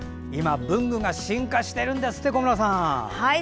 今、文具が進化してるんですって小村さん。